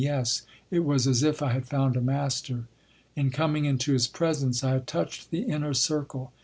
Yes, it was as if I had found a master. In coming into his presence, I had touched the inner circle.